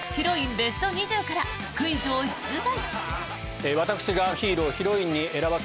ベスト２０からクイズを出題。